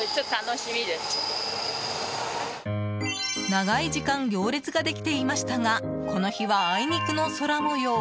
長い時間行列ができていましたがこの日はあいにくの空模様。